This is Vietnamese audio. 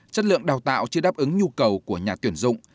chất lượng đào tạo chưa đáp ứng nhu cầu của nhà tuyển dụng